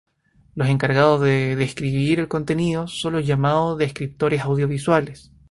Los encargados de describir el contenido son los llamados descriptores audiovisuales.